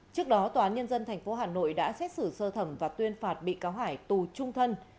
trước đó tòa án nhân dân tp hà nội đã xét xử sơ thẩm và tuyên phạt bị cáo hải tù trung thân